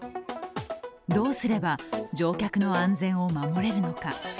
どうすれば乗客の安全を守れるのか。